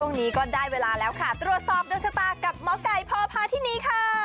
ช่วงนี้ก็ได้เวลาแล้วค่ะตรวจสอบดวงชะตากับหมอไก่พอพาที่นี่ค่ะ